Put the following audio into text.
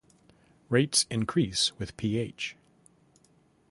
Rates increase with pH.